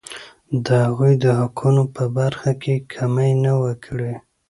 د هغوی د حقونو په برخه کې کمی ونه کړي.